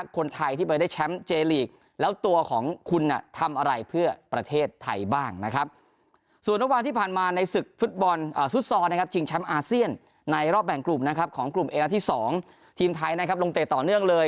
ของกลุ่มเอกนัทที่๒ทีมไทยนะครับลงเตะต่อเนื่องเลย